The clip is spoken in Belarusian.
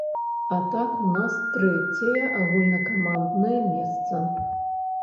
А так у нас трэцяе агульнакаманднае месца.